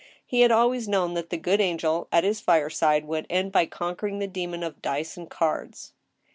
He had always known that the good angel at his fireside would end by conquering the demon of dice and cards.